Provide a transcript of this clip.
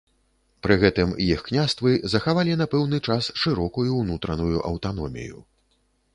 Пры гэтым іх княствы захавалі на пэўны час шырокую ўнутраную аўтаномію.